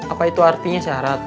apa itu artinya syarat